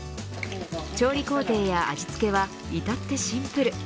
調理工程や味付けは至ってシンプル。